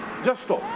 ジャスト？